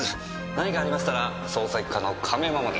何かありましたら捜査一課の亀山まで。